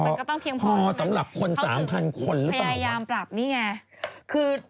มันก็ต้องเพียงพอใช่ไหมเขาคือพยายามปรับนี่ไงพอสำหรับคน๓๐๐๐คนหรือเปล่า